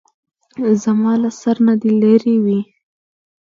زما له سر نه دې لېرې وي.